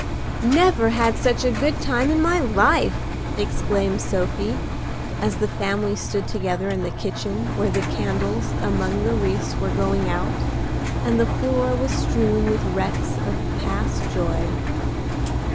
"Never had such a good time in my life!" exclaimed Sophie, as the family stood together in the kitchen where the candles among the wreaths were going out, and the floor was strewn with wrecks of past joy.